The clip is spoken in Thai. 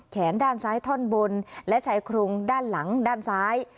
ด้านซ้ายท่อนบนและชายโครงด้านหลังด้านซ้าย